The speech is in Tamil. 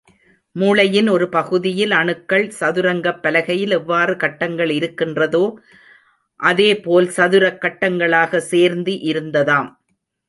மூளையின் ஒரு பகுதியில் அணுக்கள், சதுரங்கப் பலகையில் எவ்வாறு கட்டங்கள் இருக்கின்றதோ அதேபோல் சதுரக் கட்டங்களாக சேர்ந்து இருந்ததாம்.